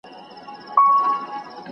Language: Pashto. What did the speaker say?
¬ تېغ په جوهر خورک کوي.